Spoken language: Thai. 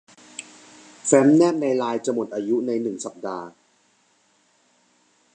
แฟ้มแนบในไลน์จะหมดอายุในหนึ่งสัปดาห์